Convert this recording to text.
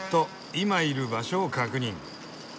今いる場所を確認。